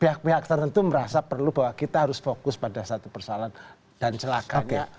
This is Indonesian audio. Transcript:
pihak pihak tertentu merasa perlu bahwa kita harus fokus pada satu persoalan dan celakanya kok yang kena batu